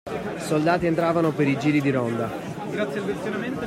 Soldati entravano per i giri di ronda.